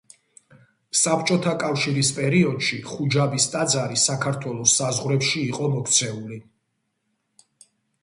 საბჭოთა კავშირის პერიოდში ხუჯაბის ტაძარი საქართველოს საზღვრებში იყო მოქცეული.